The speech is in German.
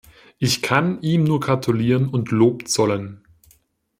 Ich kann ihm nur gratulieren und Lob zollen.